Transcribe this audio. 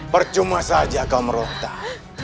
percuma saja kau merontak